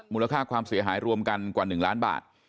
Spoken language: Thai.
มูลค่าความเสียหายรวมกันกว่า๑ล้านบาท